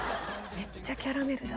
めっちゃキャラメルだ。